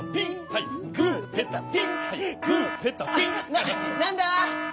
ななんだ！？